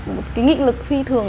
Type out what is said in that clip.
một cái nghị lực phi thường